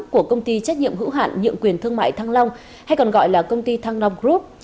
của công ty trách nhiệm hữu hạn nhượng quyền thương mại thăng long hay còn gọi là công ty thăng long group